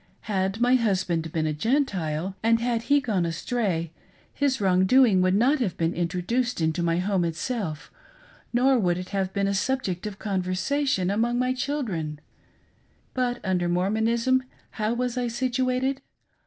Had my husband been a Gentile, and had he gone astray, his wrong doing would not have been introduced into my home itself, nor would it have been a subject of conversation among my children. But, under Mormonism how was I situated